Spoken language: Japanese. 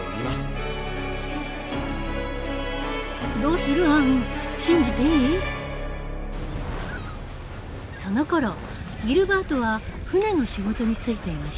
そのころギルバートは船の仕事に就いていました。